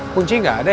kucing gak ada ya